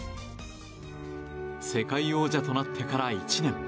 世界王者となってから１年。